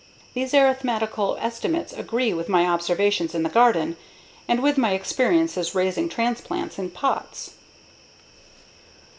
These arithmetical estimates agree with my observations in the garden, and with my experiences raising transplants in pots.